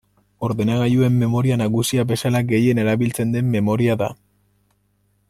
Ordenagailuen memoria nagusia bezala gehien erabiltzen den memoria da.